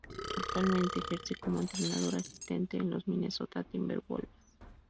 Actualmente ejerce como entrenador asistente en los Minnesota Timberwolves.